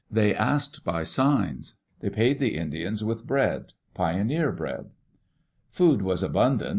They asked by signs. [They paid the Indians with bread — pioneer bread. Food was abundant.